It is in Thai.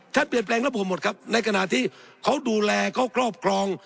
เปลี่ยนแปลงระบบครับในขณะที่เขาดูแลเขาครอบครอง